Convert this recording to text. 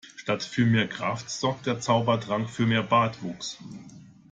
Statt für mehr Kraft sorgte der Zaubertrank für mehr Bartwuchs.